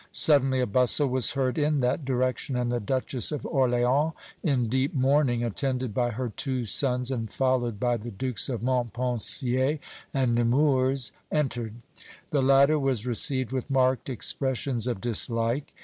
Suddenly a bustle was heard in that direction, and the Duchess of Orléans, in deep mourning, attended by her two sons and followed by the Dukes of Montpensier and Nemours, entered. The latter was received with marked expressions of dislike.